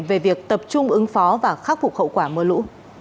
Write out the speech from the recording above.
về việc tập trung ứng phó và khắc phục hậu quả mưa lũ